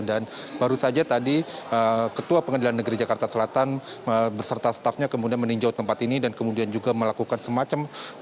dan baru saja tadi ketua pengadilan negeri jakarta selatan berserta stafnya kemudian meninjau tempat ini dan kemudian juga melakukan semacam pembenahan begitu menambah kapasitas kursi